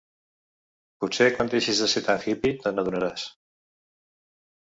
Potser quan deixis de ser tan hippy te n'adonaràs.